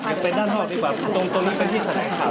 เดี๋ยวเป็นด้านหอบดีกว่าตรงตรงนี้เป็นที่สนัยข่าวนะครับ